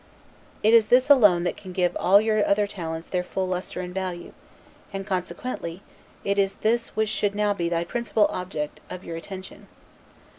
It is this alone that can give all your other talents their full lustre and value; and, consequently, it is this which should now be thy principal object of your attention.